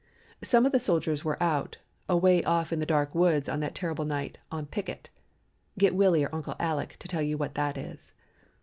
"Some of the soldiers were out, away off in the dark woods on that terrible night on picket (get Willie or Uncle Aleck to tell you what that is).